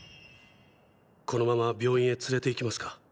このまま病院へ連れて行きますか？